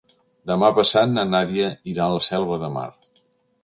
Demà passat na Nàdia irà a la Selva de Mar.